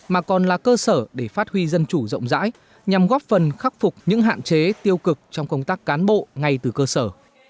mà còn là cơ sở để phát huy dân chủ rộng rãi nhằm góp phần khắc phục những hạn chế tiêu cực trong công tác cán bộ ngay từ cơ sở